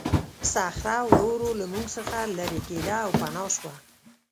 صخره ورو ورو له موږ څخه لیرې کېده او پناه شوه.